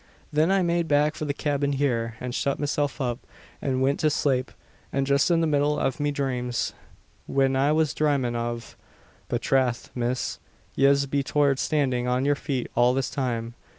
Thin I made back for the cyabin heeur, an shut meself up, and wint to slape; and just in the middle av me dhrames, whin I was dhramin' of but trath, miss, yez'll be toired standin' on yer feet all this time.